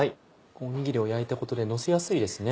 おにぎりを焼いたことでのせやすいですね。